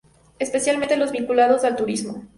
Especialmente los vinculados al turismo.